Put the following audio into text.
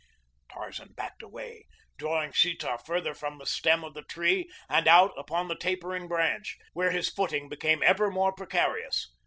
Tarzan backed away, drawing Sheeta farther from the stem of the tree and out upon the tapering branch, where his footing became ever more precarious.